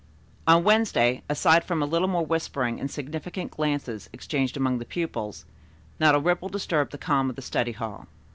On Wednesday, aside from a little more whispering and significant glances exchanged among the pupils, not a ripple disturbed the calm of the study hall.